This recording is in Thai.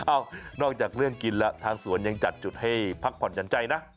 นอกจากเรื่องกินแล้วทางสวนยังจัดจุดให้พักผ่อนหยันใจนะ